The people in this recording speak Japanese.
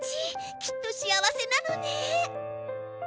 きっと幸せなのね。